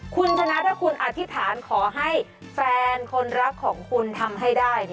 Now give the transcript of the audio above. คุณชนะถ้าคุณอธิษฐานขอให้แฟนคนรักของคุณทำให้ได้